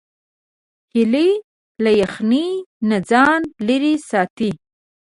هیلۍ له یخنۍ نه ځان لیرې ساتي